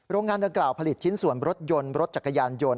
งานดังกล่าวผลิตชิ้นส่วนรถยนต์รถจักรยานยนต์